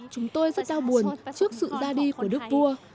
chúng tôi rất đau buồn trước sự ra đi của đức vua